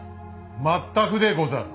全くでござる。